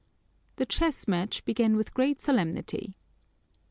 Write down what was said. The chess match began with great solemnity.